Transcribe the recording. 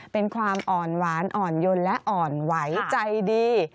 เป็นความอ่อนหวานอ่อนยนและอ่อนไหวใจดี